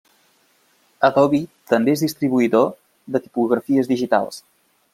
Adobe també és distribuïdor de tipografies digitals.